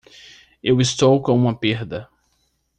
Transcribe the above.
Eu estou com uma perda